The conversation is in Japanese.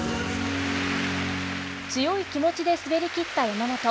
強い気持ちで滑り切った山本。